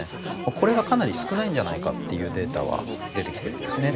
これがかなり少ないんじゃないかっていうデータは出てきてるんですね。